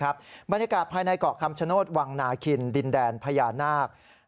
บรรยากาศภายในเกาะคำชโนธวังนาคินดินแดนพญานาค